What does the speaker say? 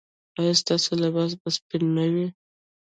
ایا ستاسو لباس به سپین نه وي؟